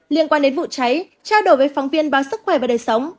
liên quan đến vụ cháy trao đổi với phóng viên báo sức khỏe và đời sống